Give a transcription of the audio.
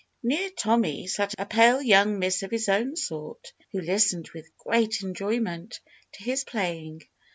Near Tommy sat a pale young miss of his own sort, who listened with great enjoyment to his playing.